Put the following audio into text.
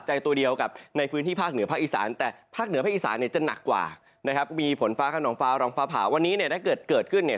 จะหนักกว่านะครับมีผลฟ้าขนองฟ้ารองฟ้าผาวันนี้เนี่ยถ้าเกิดเกิดขึ้นเนี่ย